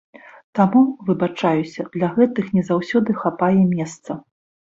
Таму, выбачаюся, для гэтых не заўсёды хапае месца.